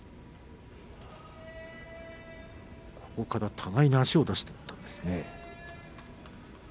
互いに足を出していったんですね。